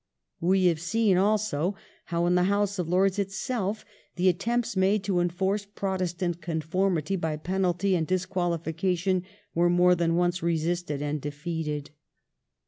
We have seen also how in the House of Lords itself the attempts made to enforce Pro testant conformity by penalty and disquahfication were more than once resisted and defeated.